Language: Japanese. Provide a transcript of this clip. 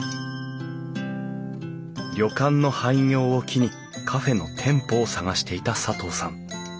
旅館の廃業を機にカフェの店舗を探していた佐藤さん。